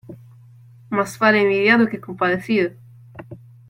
Más vale envidiado que compadecido.